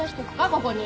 ここに。